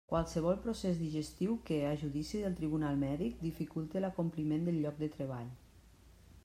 Qualsevol procés digestiu que, a judici del Tribunal Mèdic, dificulte l'acompliment del lloc de treball.